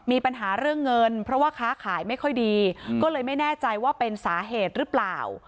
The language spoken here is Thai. มีปัญหาเรื่องเงินเพราะว่าค้าขายไม่ค่อยดีก็เลยไม่แน่ใจว่าเป็นสาเหตุหรือเปล่า